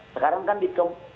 sekarang kan di